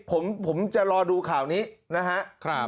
ผมจะรอดูข่าวนี้นะครับ